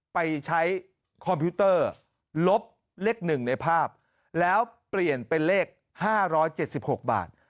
ไปใช้คอมพิวเตอร์ลบเลข๑ในภาพแล้วเปลี่ยนเป็นเลข๕๗๖บาท